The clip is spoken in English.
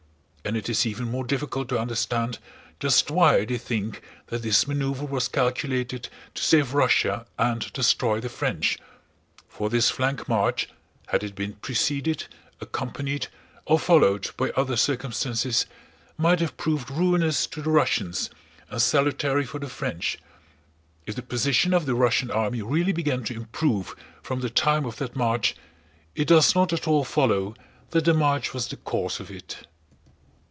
And it is even more difficult to understand just why they think that this maneuver was calculated to save Russia and destroy the French; for this flank march, had it been preceded, accompanied, or followed by other circumstances, might have proved ruinous to the Russians and salutary for the French. If the position of the Russian army really began to improve from the time of that march, it does not at all follow that the march was the cause of it.